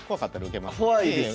怖いです。